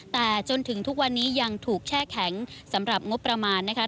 แต่จนถึงทุกวันนี้ยังถูกแช่แข็งสำหรับงบประมาณนะคะ